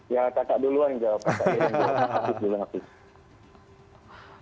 ya kakak duluan jawab kakaknya hafiz dulu hafiz